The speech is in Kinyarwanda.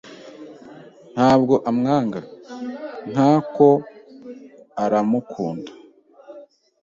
Ntabwo amwanga. Nkako, aramukunda.